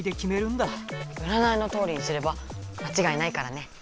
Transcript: うらないのとおりにすればまちがいないからね。